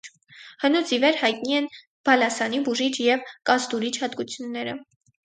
Հնուց ի վեր հայտնի են բալասանի բուժիչ և կազդուրիչ հատկությունները։